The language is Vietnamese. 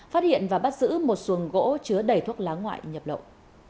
phát hiện và bắt giữ một xuồng gỗ chứa đầy thuốc lá ngoại nhập lậu